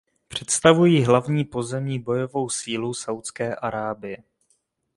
Představují hlavní pozemní bojovou sílu Saúdské Arábie.